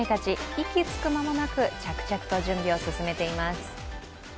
息つく間もなく着々と準備を進めています。